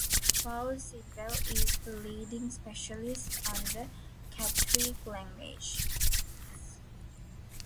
Paul Sidwell is the leading specialist on the Katuic languages.